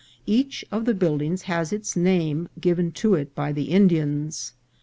Each of the buildings has its name given to it by the Indians.